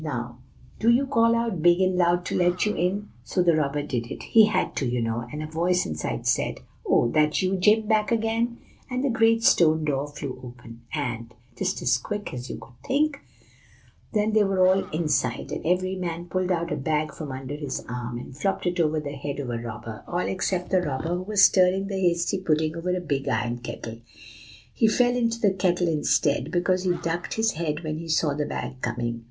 'Now do you call out big and loud to let you in.' So the robber did it; he had to, you know; and a voice inside said, 'Oh! that you, Jim, back again?' and the great stone door flew open; and, just as quick as you could think, there they were all inside; and every man pulled out a bag from under his arms, and flopped it over the head of a robber, all except the robber who was stirring the hasty pudding over a big iron kettle, he fell into the kettle instead, because he ducked his head when he saw the bag coming.